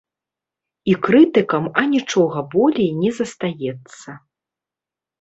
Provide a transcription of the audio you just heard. І крытыкам анічога болей не застаецца.